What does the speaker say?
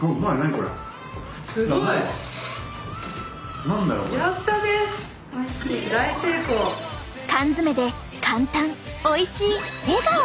すごい！缶詰で簡単おいしい笑顔！